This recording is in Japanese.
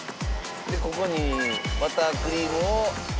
でここにバタークリームを。